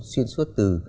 xuyên suốt từ